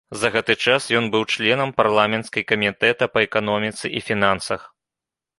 За гэты час ён быў членам парламенцкай камітэта па эканоміцы і фінансах.